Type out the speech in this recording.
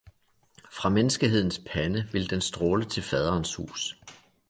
fra menneskehedens pande ville den stråle til faderens hus.